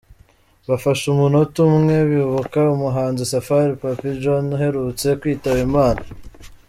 Bafashe umunota umwe bibuka umuhanzi Safari Papy John uherutse kwitaba Imana.